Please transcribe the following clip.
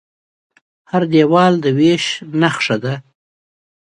هر دیوال د وېش نښه ده.